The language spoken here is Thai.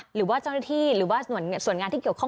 หรือว่าเจ้าหน้าที่หรือว่าส่วนงานที่เกี่ยวข้อง